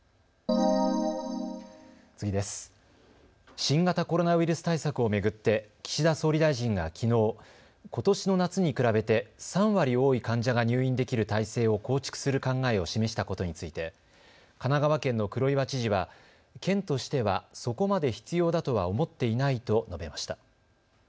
新型コロナウイルス対策を巡って岸田総理大臣がきのうことしの夏に比べて３割多い患者が入院できる体制を構築する考えを示したことについて神奈川県の黒岩知事は県としてはそこまで必要だとは思っていないと述べました。